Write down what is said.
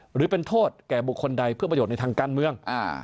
หรือเป็นโทษแก่บุคคลใดเพื่อประโยชน์ในทางการเมือง